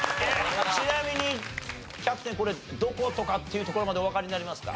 ちなみにキャプテンこれどことかっていうところまでおわかりになりますか？